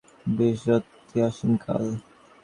উহাদের একটি সীমাবদ্ধ কাল, আর বৃহত্তরটি অসীম কাল।